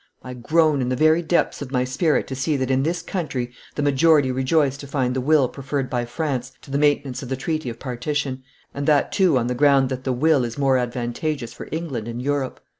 I groan in the very depths of my spirit to see that in this country the majority rejoice to find the will preferred by France to the maintenance of the treaty of partition, and that too on the ground that the will is more advantageous for England and Europe.